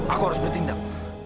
aku harus bertindak